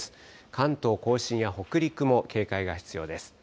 関東甲信や北陸も警戒が必要です。